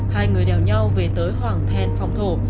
hai người đèo nhau về tới hoàng thèn phòng thổ